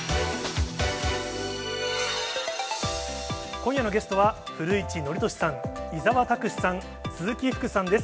今夜のゲストは、古市憲寿さん、伊沢拓司さん、鈴木福さんです。